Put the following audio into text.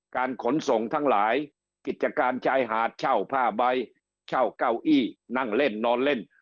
การขนส่งทั้งหลายกิจการชายหาดเช่าผ้าใบเช่าเก้าอี้นั่งเล่นนอนเล่น